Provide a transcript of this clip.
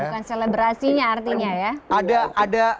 bukan selebrasinya artinya ya